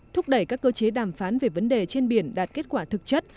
thúc đẩy các cơ chế đàm phán về vấn đề trên biển đạt kết quả thực chất